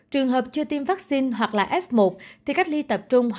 trường hợp chưa tiêm vaccine hoặc là f một thì cách ly tập trung